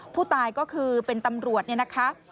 ผู้ตายก็คือเป็นตำรวจเนี่ยนะคะ